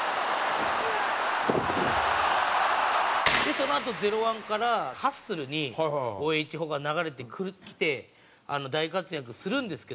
そのあとＺＥＲＯ１からハッスルにＯＨ砲が流れてきて大活躍するんですけど２人で。